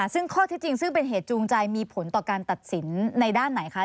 ซึ่งข้อที่จริงซึ่งเป็นเหตุจูงใจมีผลต่อการตัดสินในด้านไหนคะ